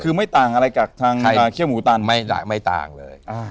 คือไม่ต่างอะไรกับทางใครเคี่ยวหมูตันไม่ไม่ต่างเลยอ่า